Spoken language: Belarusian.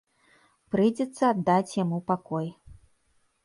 Прыйдзецца аддаць яму пакой.